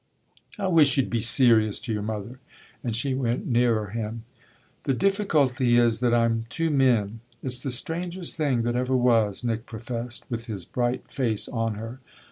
"I wish you'd be serious to your mother" and she went nearer him. "The difficulty is that I'm two men; it's the strangest thing that ever was," Nick professed with his bright face on her.